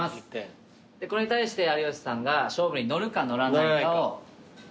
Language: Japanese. これに対して有吉さんが勝負に乗るか乗らないかを。